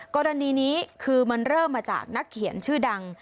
กรณีนี้คือมันเริ่มมาจากนักเขียนชื่อดัง